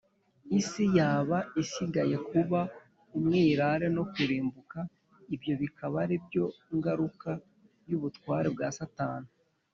isi yaba isigariye kuba umwirare no kurimbuka, ibyo bikaba ari byo ngaruka y’ubutware bwa satani